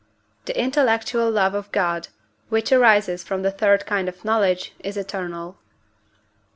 The intellectual love of God, which arises from the third kind of knowledge, is eternal.